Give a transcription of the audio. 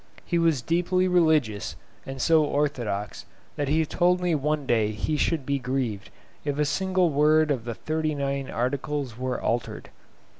He was deeply religious, and so orthodox that he told me one day he should be grieved if a single word of the Thirty nine Articles were altered.